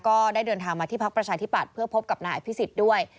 ก็ได้เดินทางมาที่พักประชาธิปัตย์เพื่อพบกับนายอภิษฎด้วย